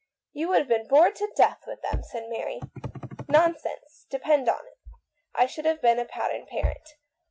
"You would have been bored to death with them," said Mary. "Nonsense! Depend upon it, I should have been a pattern parent.